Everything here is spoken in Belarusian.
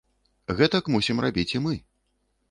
Гэтак мусім рабіць і мы.